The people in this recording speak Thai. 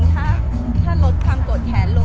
แม็กซ์ก็คือหนักที่สุดในชีวิตเลยจริง